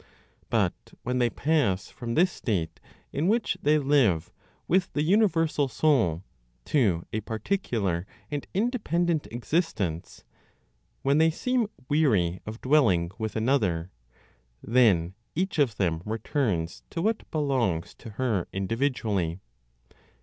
But when they pass from this state in which they live with the universal Soul to a particular and independent existence, when they seem weary of dwelling with another, then each of them returns to what belongs to her individually.